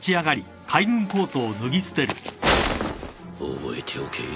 覚えておけ。